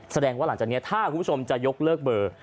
แสดงว่าหลังจากนี้ถ้าคุณผู้ชมจะยกเลิกเบอร์